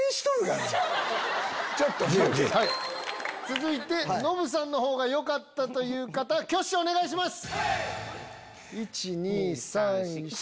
続いてノブさんのほうが良かったという方挙手お願いします！